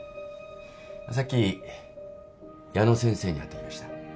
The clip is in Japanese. さっき矢野先生に会ってきました。